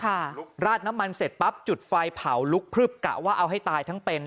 ราดน้ำมันเสร็จปั๊บจุดไฟเผาลุกพลึบกะว่าเอาให้ตายทั้งเป็น